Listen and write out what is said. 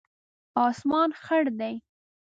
اسمان خړ دی